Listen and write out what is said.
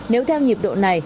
nếu theo nhịp độ này